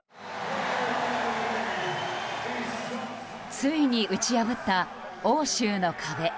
ついに打ち破った欧州の壁。